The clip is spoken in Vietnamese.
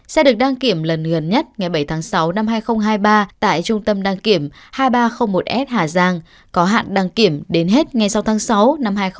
xe được đăng kiểm lần gần nhất ngày bảy tháng sáu năm hai nghìn hai mươi ba tại trung tâm đăng kiểm hai nghìn ba trăm linh một s hà giang có hạn đăng kiểm đến hết ngày sáu tháng sáu năm hai nghìn hai mươi ba